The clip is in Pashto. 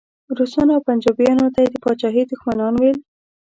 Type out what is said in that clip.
روسانو او پنجابیانو ته یې د پاچاهۍ دښمنان ویل.